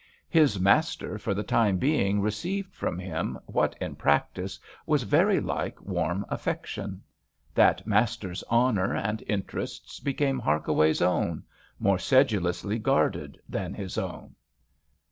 His master for the time being received from him what in practice was very like warm affection. That master's honour and interests became Harkaway's own, more sedulously guarded than his own.